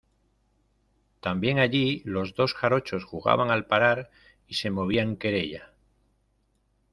también allí los dos jarochos jugaban al parar, y se movían querella.